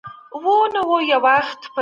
تاسو د سیاسي سازمانونو فعالیتونه وڅارئ.